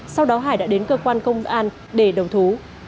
sau đó hải đã đến cơ quan công an để đầu thú